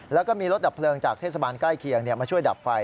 แล้วก็มีรถดับเพลิงจากเทศบาลใกล้เคียงมาช่วยดับไฟ